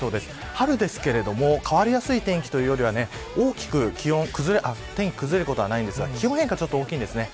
春ですが、変わりやすい天気というよりは大きく天気が崩れることありませんが気温の変化が大きいですね。